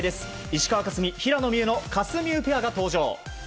石川佳純、平野美宇のかすみうペアが登場。